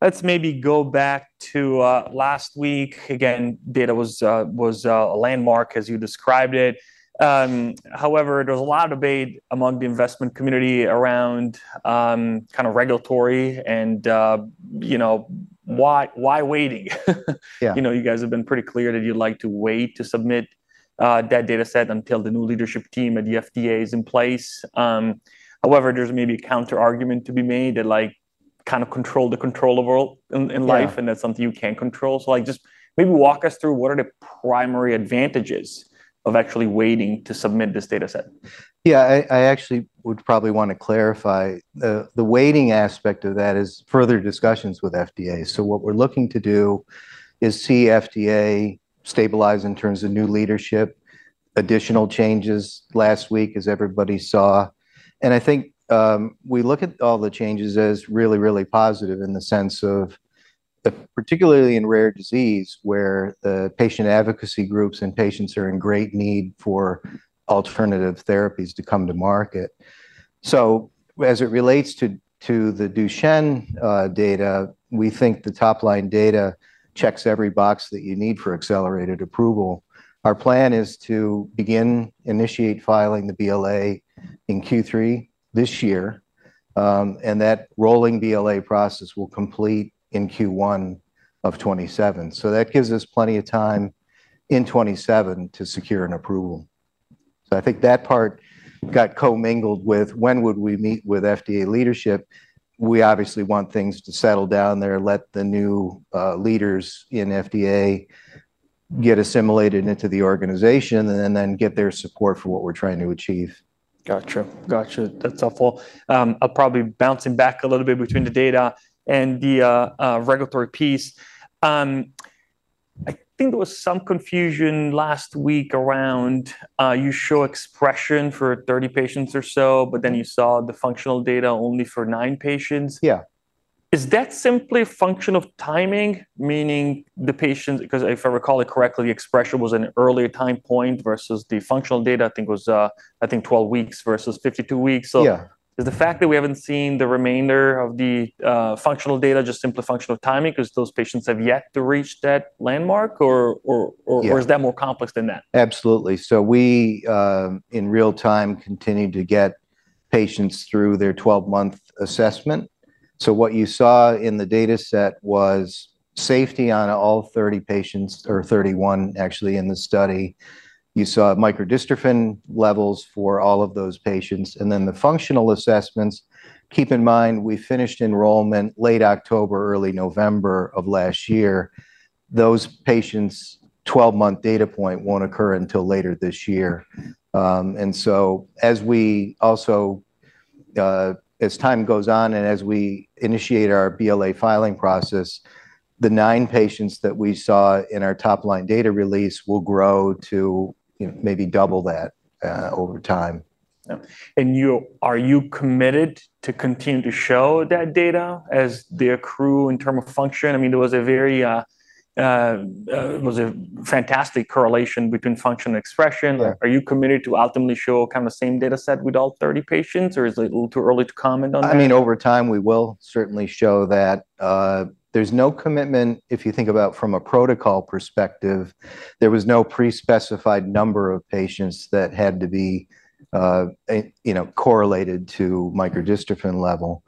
Let's maybe go back to last week. Data was a landmark, as you described it. There's a lot of debate among the investment community around regulatory and why waiting? Yeah. You guys have been pretty clear that you'd like to wait to submit that data set until the new leadership team at the FDA is in place. There's maybe a counterargument to be made that control the controllable. Yeah. That's something you can control. Just maybe walk us through what are the primary advantages of actually waiting to submit this data set? Yeah, I actually would probably want to clarify. The waiting aspect of that is further discussions with FDA. What we're looking to do is see FDA stabilize in terms of new leadership, additional changes last week, as everybody saw. I think we look at all the changes as really, really positive in the sense of particularly in rare disease, where the patient advocacy groups and patients are in great need for alternative therapies to come to market. As it relates to the Duchenne data, we think the top-line data checks every box that you need for accelerated approval. Our plan is to begin initiate filing the BLA in Q3 this year. That rolling BLA process will complete in Q1 of 2027. That gives us plenty of time in 2027 to secure an approval. I think that part got commingled with when would we meet with FDA leadership. We obviously want things to settle down there, let the new leaders in FDA get assimilated into the organization, and then get their support for what we're trying to achieve. Got you. That's helpful. I'll probably bouncing back a little bit between the data and the regulatory piece. I think there was some confusion last week around you show expression for 30 patients or so, but then you saw the functional data only for nine patients. Yeah. Is that simply a function of timing, meaning the patients, because if I recall it correctly, expression was an earlier time point versus the functional data, I think 12 weeks versus 52 weeks? Yeah. Is the fact that we haven't seen the remainder of the functional data just simply a function of timing because those patients have yet to reach that landmark? Yeah. Is that more complex than that? Absolutely. We, in real time, continue to get patients through their 12-month assessment. What you saw in the data set was safety on all 30 patients or 31 actually in the study. You saw microdystrophin levels for all of those patients. The functional assessments, keep in mind, we finished enrollment late October, early November of last year. Those patients' 12-month data point won't occur until later this year. As time goes on and as we initiate our BLA filing process, the nine patients that we saw in our top-line data release will grow to maybe double that over time. Are you committed to continuing to show that data as they accrue in term of function? There was a fantastic correlation between function and expression. Yeah. Are you committed to ultimately show kind of the same data set with all 30 patients, or is it a little too early to comment on that? Over time, we will certainly show that. There's no commitment if you think about from a protocol perspective, there was no pre-specified number of patients that had to be correlated to microdystrophin level.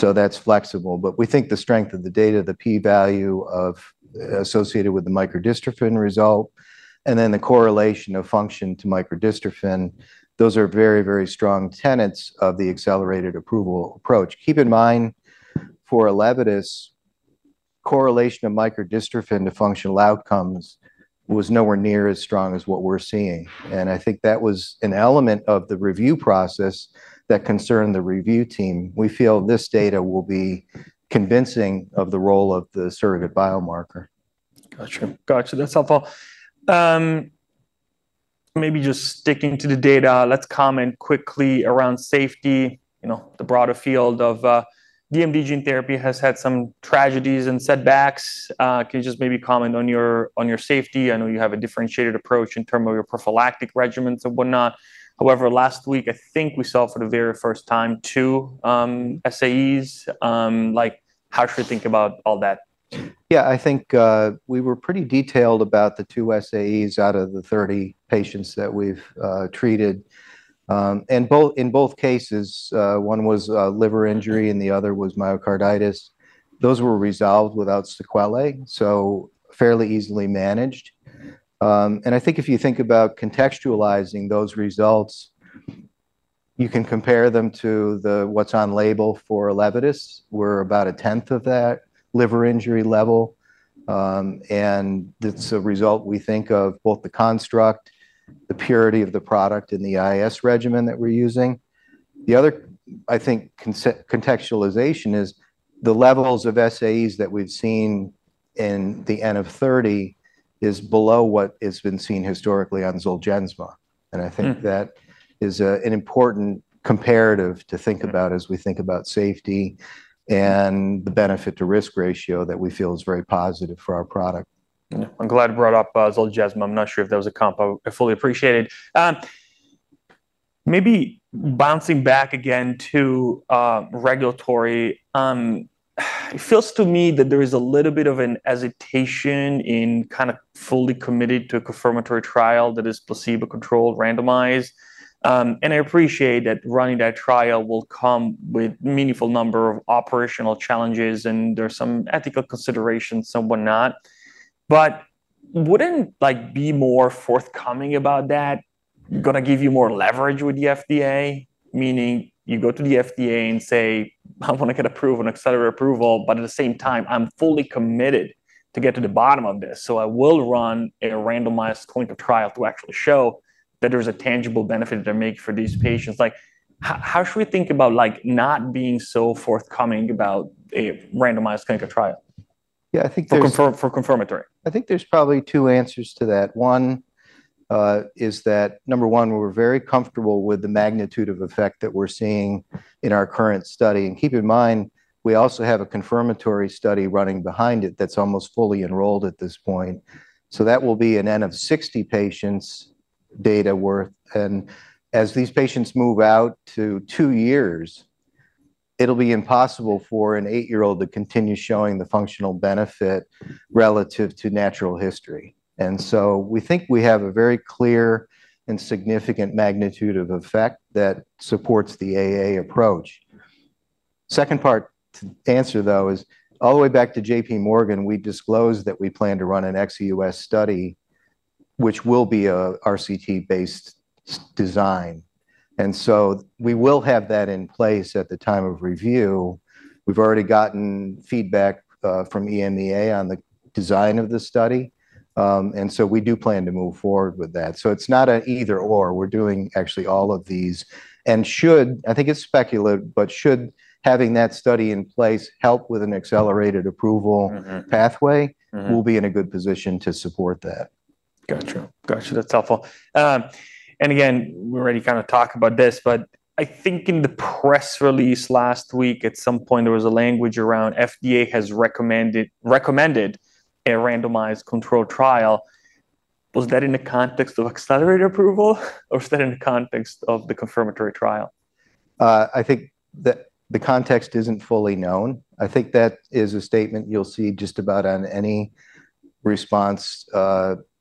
That's flexible. We think the strength of the data, the P value associated with the microdystrophin result, and then the correlation of function to microdystrophin, those are very, very strong tenets of the accelerated approval approach. Keep in mind, for ELEVIDYS, correlation of microdystrophin to functional outcomes was nowhere near as strong as what we're seeing. I think that was an element of the review process that concerned the review team. We feel this data will be convincing of the role of the surrogate biomarker. Got you. That's helpful. Maybe just sticking to the data, let's comment quickly around safety. The broader field of DMD gene therapy has had some tragedies and setbacks. Can you just maybe comment on your safety? I know you have a differentiated approach in terms of your prophylactic regimens and whatnot. However, last week, I think we saw for the very first time two SAEs. How should we think about all that? Yeah, I think we were pretty detailed about the two SAEs out of the 30 patients that we've treated. In both cases one was a liver injury and the other was myocarditis. Those were resolved without sequelae, fairly easily managed. I think if you think about contextualizing those results, you can compare them to what's on label for ELEVIDYS. We're about a 10th of that liver injury level. It's a result we think of both the construct, the purity of the product, and the IS regimen that we're using. The other, I think contextualization is the levels of SAEs that we've seen in the N of 30 is below what has been seen historically on Zolgensma. I think that is an important comparative to think about as we think about safety and the benefit to risk ratio that we feel is very positive for our product. Yeah. I'm glad you brought up Zolgensma. I'm not sure if that was a comp I fully appreciated. Bouncing back again to regulatory. It feels to me that there is a little bit of an hesitation in kind of fully committed to a confirmatory trial that is placebo-controlled randomized. I appreciate that running that trial will come with meaningful number of operational challenges, and there's some ethical considerations, some whatnot. Wouldn't be more forthcoming about that going to give you more leverage with the FDA, meaning you go to the FDA and say, "I want to get approved on accelerated approval, but at the same time, I'm fully committed to get to the bottom of this, so I will run a randomized clinical trial to actually show that there's a tangible benefit to make for these patients." How should we think about not being so forthcoming about a randomized clinical trial? Yeah, I think there's- For confirmatory. I think there's probably two answers to that. One is that, one, we're very comfortable with the magnitude of effect that we're seeing in our current study. Keep in mind, we also have a confirmatory study running behind it that's almost fully enrolled at this point. That will be an N of 60 patients data worth. As these patients move out to two years, it'll be impossible for an eight-year-old to continue showing the functional benefit relative to natural history. We think we have a very clear and significant magnitude of effect that supports the AA approach. Second part to answer, though, is all the way back to JPMorgan, we disclosed that we plan to run an ex U.S. study, which will be a RCT-based design. We will have that in place at the time of review. We've already gotten feedback from EMEA on the design of the study. We do plan to move forward with that. It's not an either/or. We're doing actually all of these and should, I think it's speculative, but should having that study in place help with an accelerated approval pathway. We'll be in a good position to support that. Got you. That's helpful. Again, we already kind of talked about this, but I think in the press release last week, at some point, there was a language around FDA has recommended a randomized control trial. Was that in the context of accelerated approval, or was that in the context of the confirmatory trial? I think the context isn't fully known. I think that is a statement you'll see just about on any response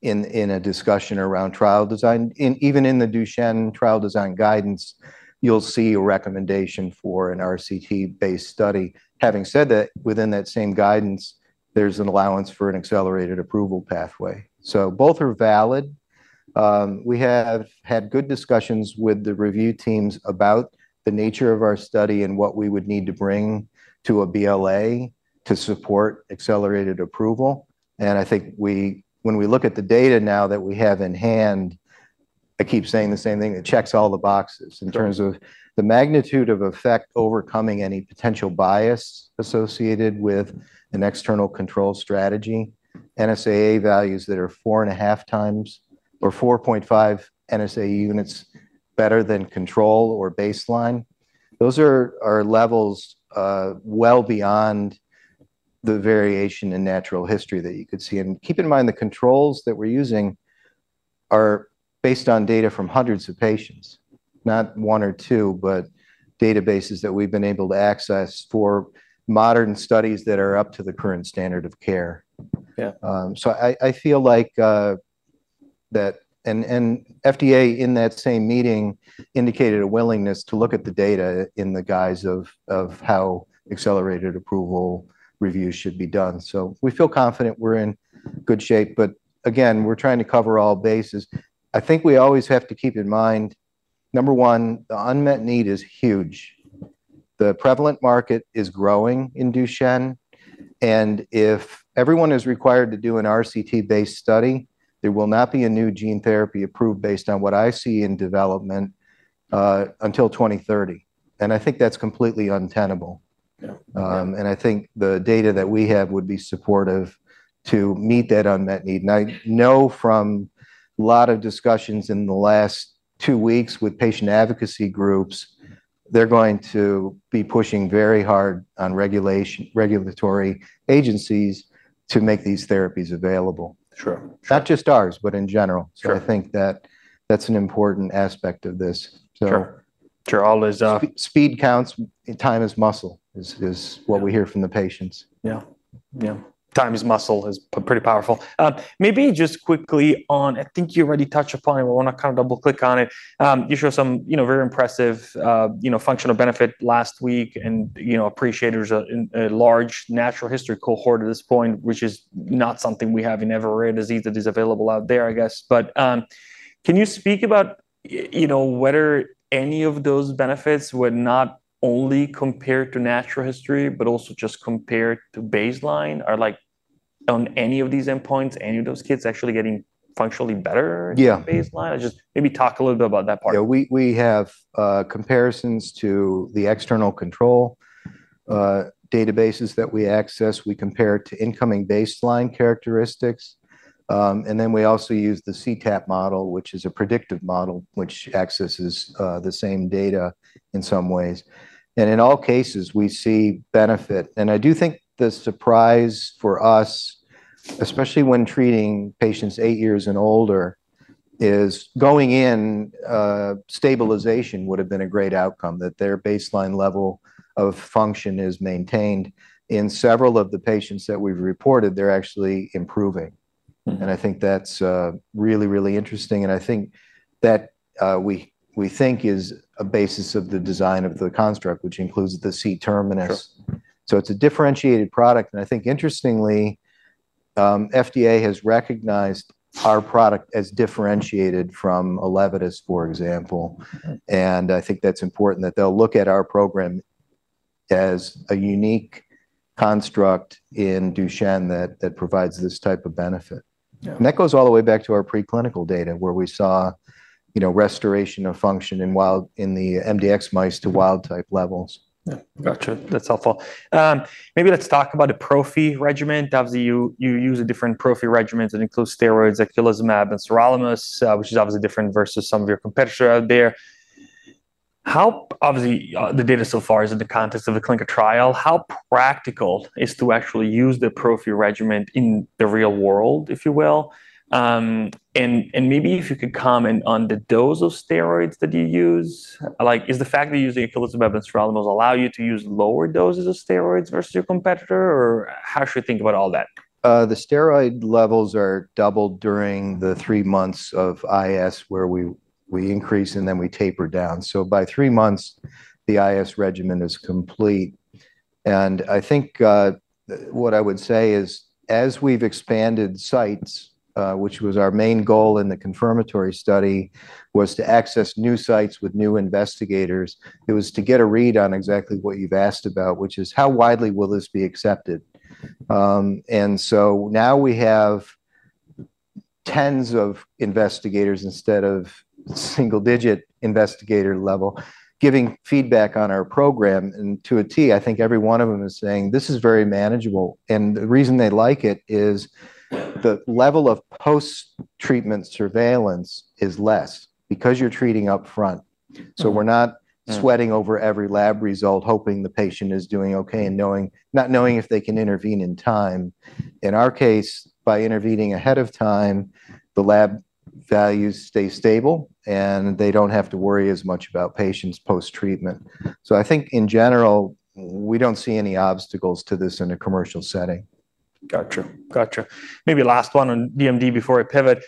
in a discussion around trial design. Even in the Duchenne trial design guidance, you'll see a recommendation for an RCT-based study. Having said that, within that same guidance, there's an allowance for an accelerated approval pathway. Both are valid. We have had good discussions with the review teams about the nature of our study and what we would need to bring to a BLA to support accelerated approval. I think when we look at the data now that we have in hand, I keep saying the same thing, it checks all the boxes in terms of the magnitude of effect overcoming any potential bias associated with an external control strategy, NSAA values that are 4.5 times or 4.5 NSAA units better than control or baseline. Those are levels well beyond the variation in natural history that you could see. Keep in mind, the controls that we're using are based on data from hundreds of patients, not one or two, but databases that we've been able to access for modern studies that are up to the current standard of care. Yeah. I feel like, the FDA in that same meeting indicated a willingness to look at the data in the guise of how accelerated approval reviews should be done. We feel confident we're in good shape. Again, we're trying to cover all bases. I think we always have to keep in mind, number one, the unmet need is huge. The prevalent market is growing in Duchenne, and if everyone is required to do an RCT-based study, there will not be a new gene therapy approved based on what I see in development, until 2030. I think that's completely untenable. Yeah. I think the data that we have would be supportive to meet that unmet need. I know from lot of discussions in the last two weeks with patient advocacy groups, they're going to be pushing very hard on regulatory agencies to make these therapies available. Sure. Not just ours, but in general. Sure. I think that's an important aspect of this. Sure. Speed counts, time is muscle is what we hear from the patients. Yeah. Time is muscle is pretty powerful. Maybe just quickly on, I think you already touched upon it, but I want to double-click on it. You showed some very impressive functional benefit last week, appreciate there's a large natural history cohort at this point, which is not something we have in every rare disease that is available out there, I guess. Can you speak about whether any of those benefits were not only compared to natural history, but also just compared to baseline? Are on any of these endpoints, any of those kids actually getting functionally better? Yeah. Than baseline? Just maybe talk a little bit about that part. Yeah. We have comparisons to the external control databases that we access. We compare it to incoming baseline characteristics. We also use the CTAP model, which is a predictive model, which accesses the same data in some ways. In all cases, we see benefit. I do think the surprise for us, especially when treating patients eight years and older is going in, stabilization would have been a great outcome, that their baseline level of function is maintained. In several of the patients that we've reported, they're actually improving. I think that's really, really interesting, and I think that we think is a basis of the design of the construct, which includes the C terminus. Sure. It's a differentiated product, I think interestingly, FDA has recognized our product as differentiated from ELEVIDYS, for example. I think that's important that they'll look at our program as a unique construct in Duchenne that provides this type of benefit. Yeah. That goes all the way back to our preclinical data where we saw restoration of function in the mdx mice to wild-type levels. Yeah. Got you. That's helpful. Maybe let's talk about a prophy regimen. Obviously, you use a different prophy regimen that includes steroids, eculizumab, and sarilumab, which is obviously different versus some of your competitors out there. Obviously, the data so far is in the context of the clinical trial. How practical is to actually use the prophy regimen in the real world, if you will? Maybe if you could comment on the dose of steroids that you use. Is the fact that you're using eculizumab and sarilumab allow you to use lower doses of steroids versus your competitor? How should we think about all that? The steroid levels are doubled during the three months of IS where we increase and then we taper down. By three months, the IS regimen is complete. I think what I would say is as we've expanded sites, which was our main goal in the confirmatory study, was to access new sites with new investigators. It was to get a read on exactly what you've asked about, which is how widely will this be accepted. Now we have 10s of investigators instead of single-digit investigator level giving feedback on our program. To a T, I think every one of them is saying, "This is very manageable." The reason they like it is the level of post-treatment surveillance is less because you're treating up front. We're not sweating over every lab result, hoping the patient is doing okay and not knowing if they can intervene in time. In our case, by intervening ahead of time, the lab values stay stable, and they don't have to worry as much about patients post-treatment. I think in general, we don't see any obstacles to this in a commercial setting. Got you. Maybe last one on DMD before I pivot.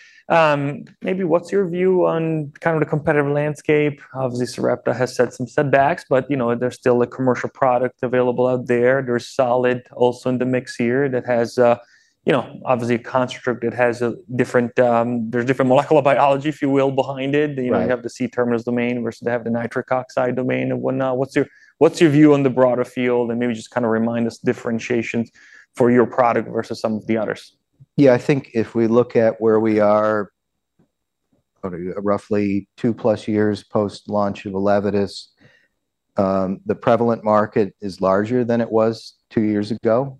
Maybe what's your view on kind of the competitive landscape? Obviously, Sarepta has had some setbacks, but there's still a commercial product available out there. There's Solid also in the mix here that has obviously a construct that has a different molecular biology, if you will, behind it. Right. You have the C terminus domain versus they have the nitric oxide domain and whatnot. What's your view on the broader field? Maybe just kind of remind us differentiations for your product versus some of the others? I think if we look at where we are, roughly 2+ years post-launch of ELEVIDYS, the prevalent market is larger than it was two years ago.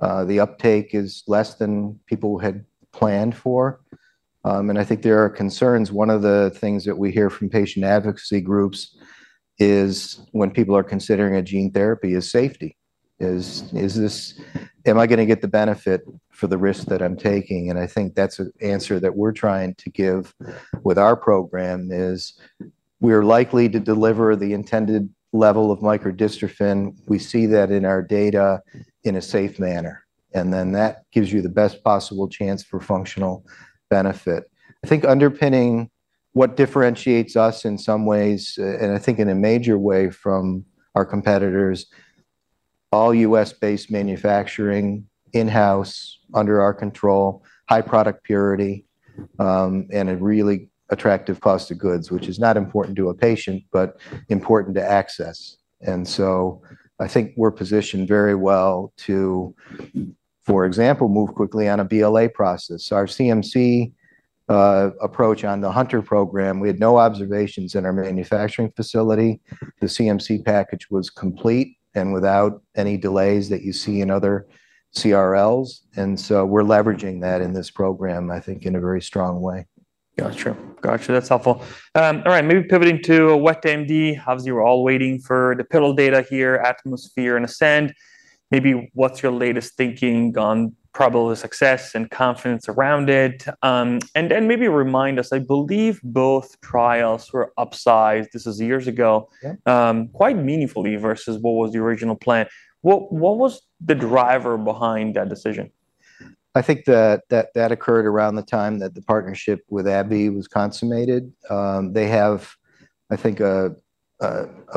The uptake is less than people had planned for. I think there are concerns. One of the things that we hear from patient advocacy groups is when people are considering a gene therapy is safety. Am I going to get the benefit for the risk that I'm taking? I think that's an answer that we're trying to give with our program is we're likely to deliver the intended level of microdystrophin. We see that in our data in a safe manner, and then that gives you the best possible chance for functional benefit. I think underpinning what differentiates us in some ways, and I think in a major way from our competitors, all U.S.-based manufacturing in-house under our control, high product purity, and a really attractive cost of goods, which is not important to a patient, but important to access. I think we're positioned very well to, for example, move quickly on a BLA process. Our CMC approach on the Hunter program, we had no observations in our manufacturing facility. The CMC package was complete and without any delays that you see in other CRLs, we're leveraging that in this program, I think in a very strong way. Got you. That's helpful. All right, maybe pivoting to wet AMD. Obviously, we're all waiting for the pivotal data here, ATMOSPHERE and ASCENT. Maybe what's your latest thinking on probability of success and confidence around it? Maybe remind us, I believe both trials were upsized, this is years ago. Yeah. Quite meaningfully versus what was the original plan. What was the driver behind that decision? I think that occurred around the time that the partnership with AbbVie was consummated. They have, I think, a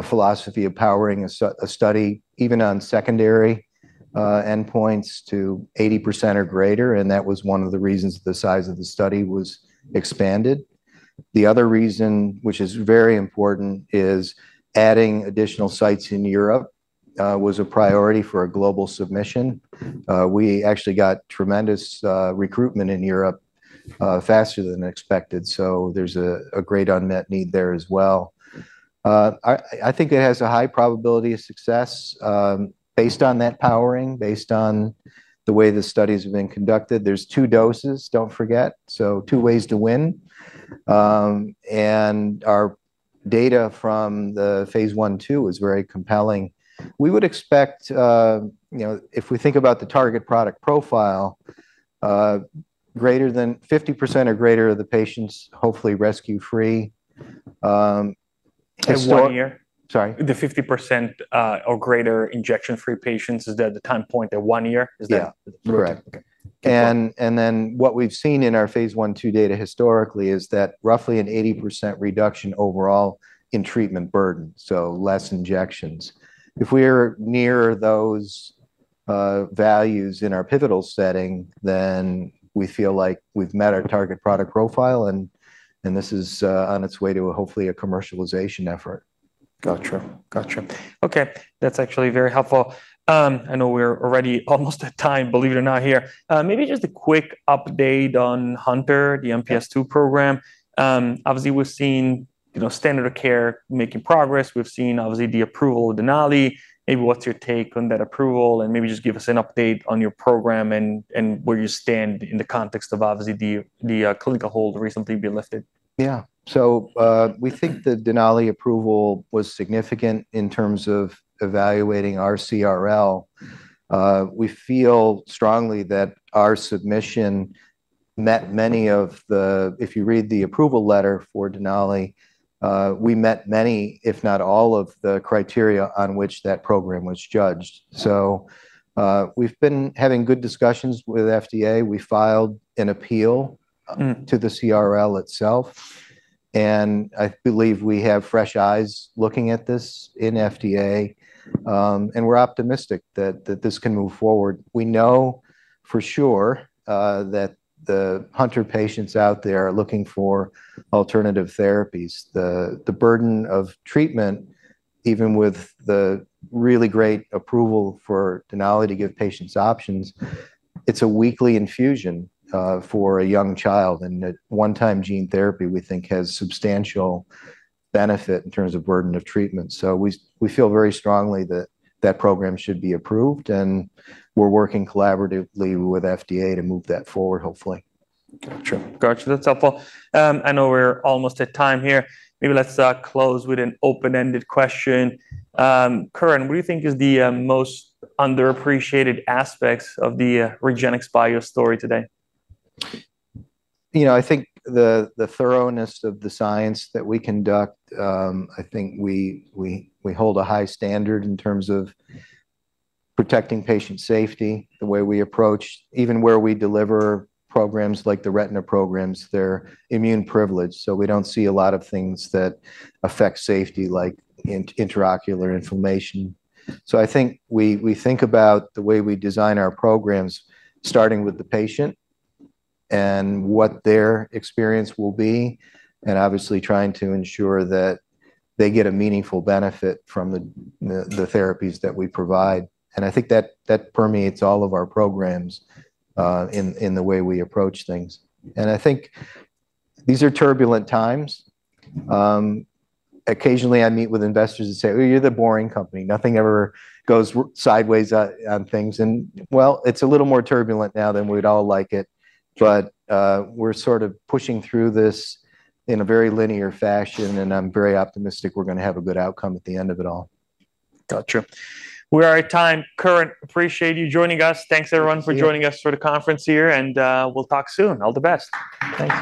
philosophy of powering a study even on secondary endpoints to 80% or greater. That was one of the reasons the size of the study was expanded. The other reason, which is very important, is adding additional sites in Europe was a priority for a global submission. We actually got tremendous recruitment in Europe faster than expected. There's a great unmet need there as well. I think it has a high probability of success based on that powering, based on the way the studies have been conducted. There's two doses, don't forget. Two ways to win. Our data from the phase I/II was very compelling. We would expect, if we think about the target product profile, 50% or greater of the patients hopefully rescue free. At one year? Sorry? The 50% or greater injection-free patients, is that the time point at one year? Yeah. Correct. Okay. What we've seen in our phase I/II data historically is that roughly an 80% reduction overall in treatment burden, so less injections. If we're near those values in our pivotal setting, then we feel like we've met our target product profile and this is on its way to hopefully a commercialization effort. Got you. Okay. That's actually very helpful. I know we're already almost at time, believe it or not here. Just a quick update on Hunter, the MPS II program. We're seeing standard of care making progress. We've seen, obviously, the approval of Denali. What's your take on that approval, just give us an update on your program and where you stand in the context of obviously the clinical hold recently being lifted. Yeah. We think the Denali approval was significant in terms of evaluating our CRL. We feel strongly that our submission met many of the, if you read the approval letter for Denali, we met many, if not all of the criteria on which that program was judged. We've been having good discussions with FDA. We filed an appeal to the CRL itself, and I believe we have fresh eyes looking at this in FDA. We're optimistic that this can move forward. We know for sure that the Hunter patients out there are looking for alternative therapies. The burden of treatment, even with the really great approval for Denali to give patients options, it's a weekly infusion for a young child, and a one-time gene therapy, we think has substantial benefit in terms of burden of treatment. We feel very strongly that that program should be approved, and we're working collaboratively with FDA to move that forward, hopefully. Got you. That's helpful. I know we're almost at time here. Maybe let's close with an open-ended question. Curran, what do you think is the most underappreciated aspects of the REGENXBIO story today? I think the thoroughness of the science that we conduct, I think we hold a high standard in terms of protecting patient safety. The way we approach, even where we deliver programs like the retina programs, they're immune privileged, so we don't see a lot of things that affect safety, like intraocular inflammation. I think we think about the way we design our programs starting with the patient and what their experience will be, and obviously trying to ensure that they get a meaningful benefit from the therapies that we provide. I think that permeates all of our programs in the way we approach things. I think these are turbulent times. Occasionally, I meet with investors that say, "Oh, you're the boring company. Nothing ever goes sideways on things." Well, it's a little more turbulent now than we'd all like it, but we're sort of pushing through this in a very linear fashion, and I'm very optimistic we're going to have a good outcome at the end of it all. Got you. We're out of time. Curran, appreciate you joining us. Thanks everyone. Thanks you. for joining us for the conference here, and we'll talk soon. All the best. Thanks.